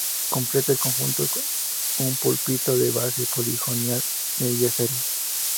Completa el conjunto un púlpito de base poligonal de yesería.